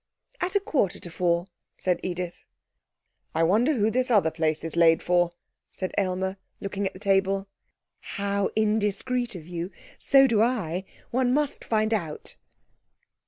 'At a quarter to four,' said Edith. 'I wonder who this other place is laid for,' said Aylmer, looking at the table. 'How indiscreet of you! So do I. One must find out.'